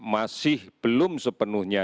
masih belum sepenuhnya